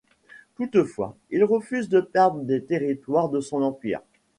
Toutefois, il refuse de perdre des territoires de son empire.